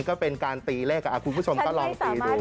ก็เป็นการตีเลขคุณผู้ชมก็ลองตีดู